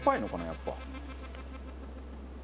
やっぱ。